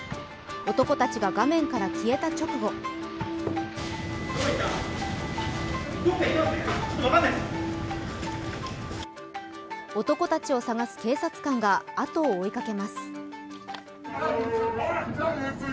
男たちが画面から消えた直後男たちを捜す警察官があとを追いかけます。